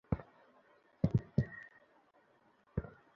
তিনি বাঁশি তৈরি করা ছাড়াও পাইকারি কিনে বিভিন্ন মোকামে বিক্রি করতেন।